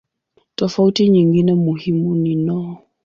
Tofauti nyingine muhimu ni no.